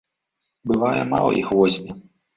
Бывае, мала іх возьме.